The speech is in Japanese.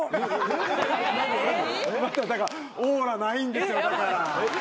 オーラないんですよだから。